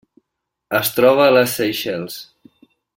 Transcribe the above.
Es troba a les Seychelles.